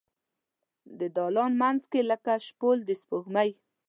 د دالان مینځ کې لکه شپول د سپوږمۍ